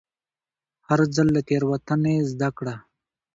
هر ځل له تېروتنې زده کړه.